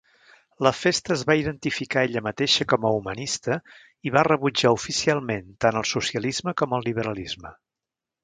La festa es va identificar ella mateixa com a humanista i va rebutjar oficialment tant el socialisme com el liberalisme.